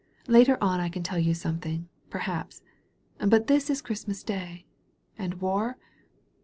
Later on I can tell you something, perhaps. But this is Christmas Day. And war?